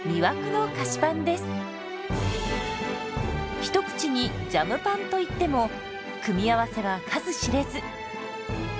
一口に「ジャムパン」といっても組み合わせは数知れず。